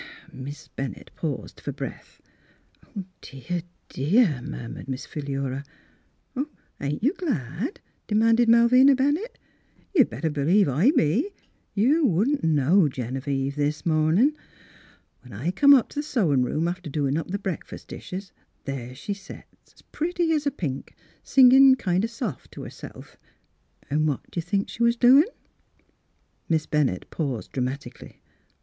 " Miss Bennett paused for breath. " Dear, dear !" murmured Miss Philura. " Ain't you glad ?" demanded Malvina Ben ^tt. ^ You'd better b'lieve I be. You Miss Fhilura's Wedditig Gown wouldn't know Genevieve this mornin'. When I come up t' the sewin' room after doin' up the breakfas' dishes, there she set, 's pretty as a pink, singin' kind of soft t' herself. An' what d' you think she was doin' ?" Miss Bennett paused dramatically.